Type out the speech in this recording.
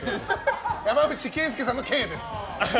山内惠介さんの惠です！